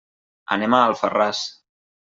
Anem a Alfarràs.